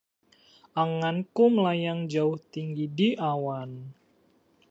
anganku melayang jauh tinggi di awan